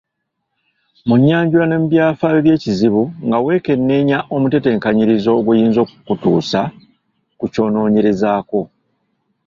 Mu nnyanjula ne mu byafaayo by’ekizibu nga weekeneenya omutetenkanyirizo oguyinza okukutuusa ku ky’onoonyerezaako